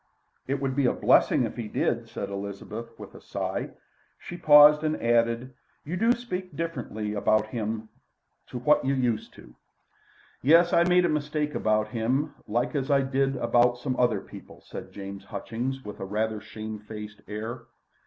"It would be a blessing if he did," said Elizabeth with a sigh. She paused and added: "You do speak differently about him to what you used to." "Yes. I made a mistake about him like as I did about some other people," said James Hutchings, with a rather shame faced air.